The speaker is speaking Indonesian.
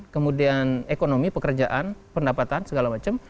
kemudian ekonomi pekerjaan pendapatan segala macam